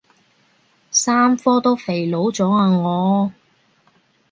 三科都肥佬咗啊我